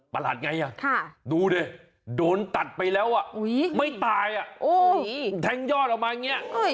ประหลาดไงดูดิโดนตัดไปแล้วไม่ตายแทงยอดออกมาอย่างนี้